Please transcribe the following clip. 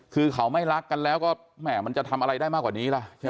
คือเขาไม่รักกันแล้วก็มันจะทำอะไรได้มากกว่านี้ล่ะ